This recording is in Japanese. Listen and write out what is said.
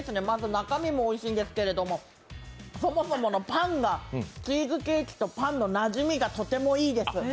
まず中身もおいしいんですけれども、そもそものパンがチーズケーキとパンのなじみがとてもいいです。